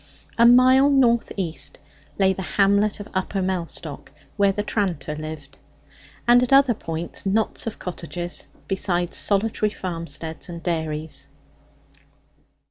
A mile north east lay the hamlet of Upper Mellstock, where the tranter lived; and at other points knots of cottages, besides solitary farmsteads and dairies.